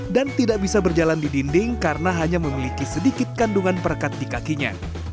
dan tidak bisa berjalan di dinding karena hanya memiliki sedikit kandungan perekat di kakinya